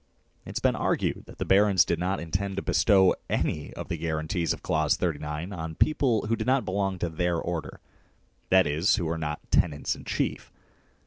It has been argued that the barons did not intend to bestow any of the guarantees of clause 39 on people who did not belong to their order, that is who were not tenants in chief.